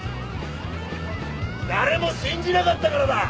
誰も信じなかったからだ！